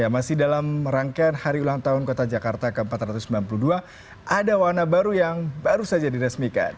masih dalam rangkaian hari ulang tahun kota jakarta ke empat ratus sembilan puluh dua ada warna baru yang baru saja diresmikan